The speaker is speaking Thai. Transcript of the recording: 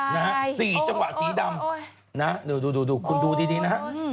นะฮะ๔จังหวะสีดำนะดูดูคุณดูดีดีนะฮะ